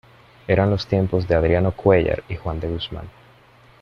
eran los tiempos de Adriano Cuéllar y Juan de Guzmán.